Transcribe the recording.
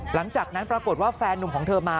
หลังจากนั้นปรากฏว่าแฟนนุ่มของเธอมา